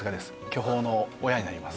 巨峰の親になります